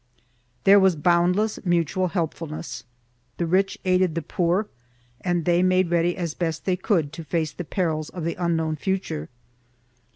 There was boundless mutual helpfulness ; the rich aided the poor and they made ready as best they could to face the perils of the unknown future.